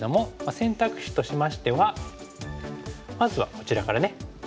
選択肢としましてはまずはこちらからね